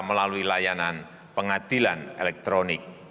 melalui layanan pengadilan